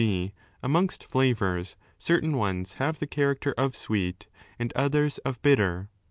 g. amongst flavours certain ones have the character of sweet and others of bitter.